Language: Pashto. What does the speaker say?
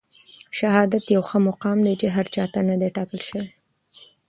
شهادت يو ښه مقام دی چي هر چاته نه دی ټاکل سوی.